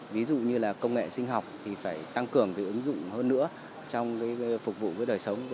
ví dụ như là công nghệ sinh học thì phải tăng cường ứng dụng hơn nữa trong phục vụ với đời sống